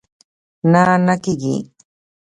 نه، نه کېږي